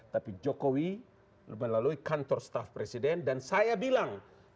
tapi jokowi melalui kantor staff presiden dan saya bilang